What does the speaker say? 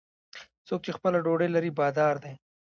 څوک چې خپله ډوډۍ لري، بادار دی.